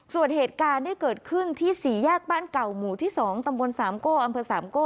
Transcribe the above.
ส่วนเหตุการณ์ที่เกิดขึ้นที่สี่แยกบ้านเก่าหมู่ที่๒ตำบลสามโก้อำเภอสามโก้